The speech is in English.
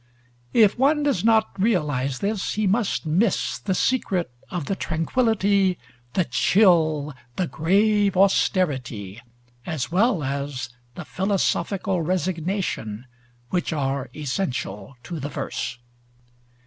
If one does not realize this, he must miss the secret of the tranquillity, the chill, the grave austerity, as well as the philosophical resignation, which are essential to the verse.